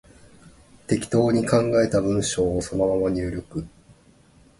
適当に考えた文章をそのまま入力